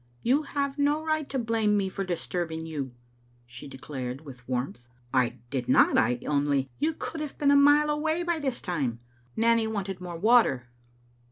" You have no right to blame me for distuibing you/* she declared with warmth. " I did not. I only " ^'You could have been a mile away by this time. Nanny wanted more water."